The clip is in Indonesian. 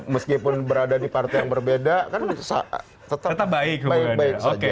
meskipun berada di partai yang berbeda kan tetap baik